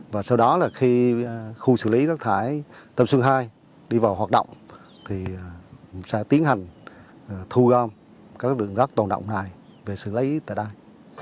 và sau đó là khi khu xử lý rác thải tâm xuân hai đi vào hoạt động thì sẽ tiến hành thu gom các lượng rác tồn động này về xử lý tại đây